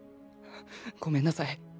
ごめんなさい